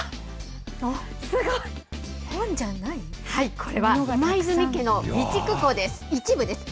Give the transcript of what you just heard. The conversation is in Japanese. これは今泉家の備蓄庫です、一部です。